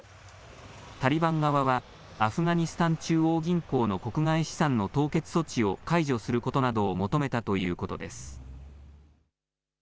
タリバン側はアフガニスタン中央銀行の国外資産の凍結措置を解除することなどを求めたということです。